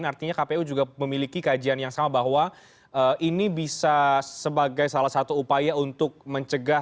artinya kpu juga memiliki kajian yang sama bahwa ini bisa sebagai salah satu upaya untuk mencegah